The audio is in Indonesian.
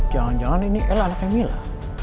jangan jangan ini el anaknya mila